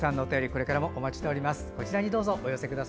これからもお待ちしております。